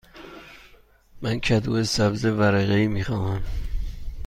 من کدو سبز ورقه ای می خواهم.